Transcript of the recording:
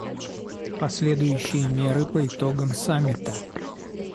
Последующие меры по итогам Саммита.